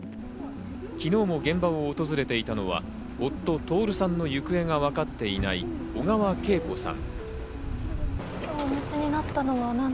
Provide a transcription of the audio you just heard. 昨日も現場を訪れていたのは夫・徹さんの行方がわかっていない、小川けい子さん。